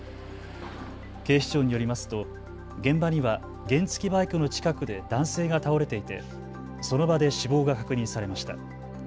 警視庁によりますと、現場には原付きバイクの近くで男性が倒れていてその場で死亡が確認されました。